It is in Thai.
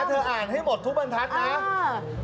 เธออ่านให้หมดทุกบรรทัศน์นะ